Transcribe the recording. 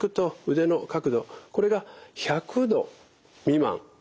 これが１００度未満。